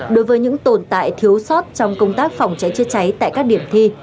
đối với những tồn tại thiếu sót trong công tác phòng cháy chữa cháy tại các điểm thi